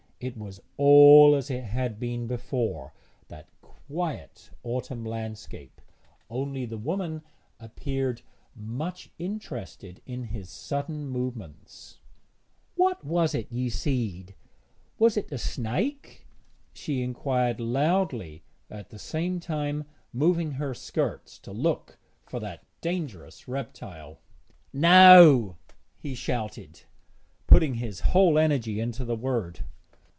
It was all as it had been before that quiet autumn landscape only the woman appeared much interested in his sudden movements. 'What was't ye seed; was't a snaïke?' she inquired loudly, at the same time moving her skirts to look for that dangerous reptile. 'No,' he shouted, putting his whole energy into the word.